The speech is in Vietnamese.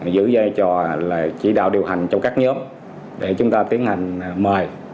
giữ giai trò chỉ đạo điều hành trong các nhóm để chúng ta tiến hành mời